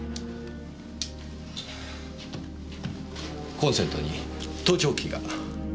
コンセントに盗聴器が。